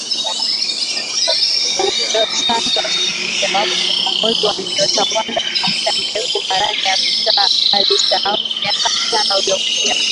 Dos Santos ni mojawapo wa viongozi waliotawala kwa mda mrefu barani Afrika alistaafu miaka mitano iliyopita